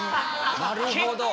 なるほど。